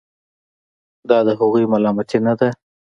دا د هغوی ملامتي نه ده.